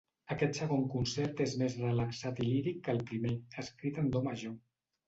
Aquest segon concert és més relaxat i líric que el primer, escrit en do major.